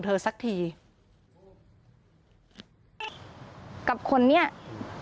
แต่เธอก็ไม่ละความพยายาม